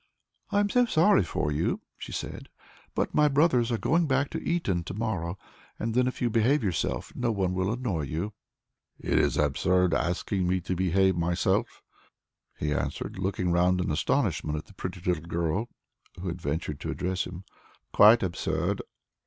"I am so sorry for you," she said, "but my brothers are going back to Eton to morrow, and then, if you behave yourself, no one will annoy you." "It is absurd asking me to behave myself," he answered, looking round in astonishment at the pretty little girl who had ventured to address him, "quite absurd.